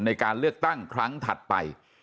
ในการเลือกตั้งครั้งถัดไป